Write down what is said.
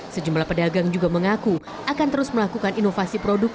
sejumlah pedagang juga mengaku akan terus melakukan inovasi produk